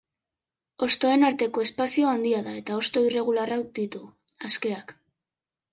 Hostoen arteko espazioa handia da eta hosto irregularrak ditu, askeak.